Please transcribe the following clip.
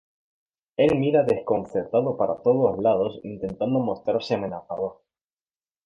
Él mira desconcertado para todos lados intentando mostrarse amenazador.